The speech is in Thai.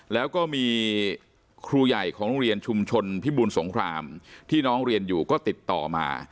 แล้วก็มีครูใหญ่ของโรงเรียนชุมชนพิบูลสงครามที่น้องเรียนอยู่ก็ติดต่อมา